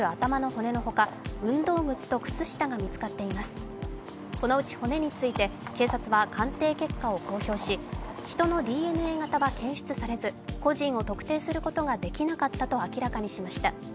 このうち骨について、警察は鑑定結果を公表し人のＤＮＡ型は検出されず個人を特定することはできなかったと明らかにしました。